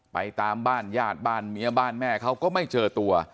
ไปตามบ้านหญ้าป่าวแม่เรือก็ไม่เจอตัว